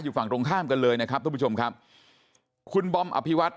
ฝั่งตรงข้ามกันเลยนะครับทุกผู้ชมครับคุณบอมอภิวัต